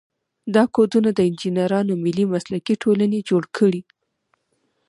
دا کودونه د انجینرانو ملي مسلکي ټولنې جوړ کړي.